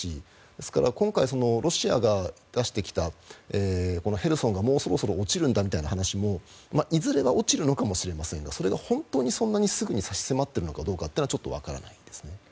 ですから、今回ロシアが出してきたヘルソンがもうそろそろ落ちるんだみたいな話もいずれは落ちるのかもしれませんがそれが本当にすぐに差し迫っているかどうかはちょっとわからないですね。